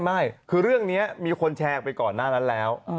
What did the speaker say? ไม่คือเรื่องนี้มีคนแชร์ออกไปก่อนหน้านั้นแล้ว